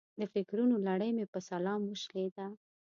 د فکرونو لړۍ مې په سلام وشلېده.